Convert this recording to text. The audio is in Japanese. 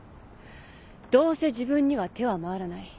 どうせ自分には手は回らない。